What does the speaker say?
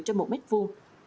trên một mét vuông